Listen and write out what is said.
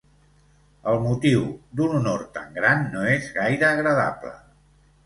El motiu d'un honor tan gran no és gaire agradable.